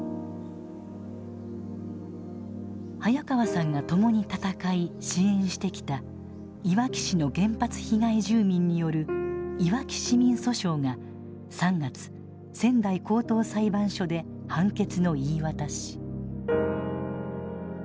早川さんが共に闘い支援してきたいわき市の原発被害住民による「いわき市民訴訟」が３月仙台高等裁判所で判決の言い渡し。